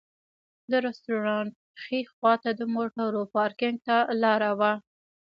د رسټورانټ ښي خواته د موټرو پارکېنګ ته لاره وه.